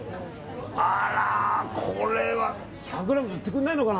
これは１００ｇで売ってくれないのかな。